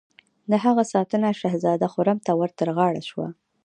د هغه ساتنه شهزاده خرم ته ور تر غاړه شوه.